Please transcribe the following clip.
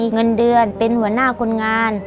เงินเดือนเป็นหัวหน้าคนงาน